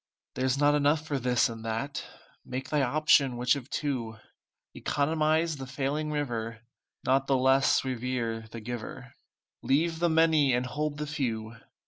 There's not enough for this and that, Make thy option which of two; Economize the failing river, Not the less revere the Giver, Leave the many and hold the few.